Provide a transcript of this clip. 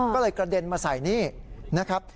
ก็เลยกระเด็นมาใส่นี่นะครับ